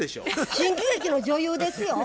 新喜劇の女優ですよ！